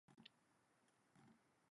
Purcell lost the fight by Split Decision.